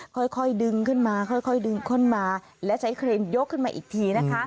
ค่อยดึงขึ้นมาค่อยดึงข้นมาและใช้เครนยกขึ้นมาอีกทีนะคะ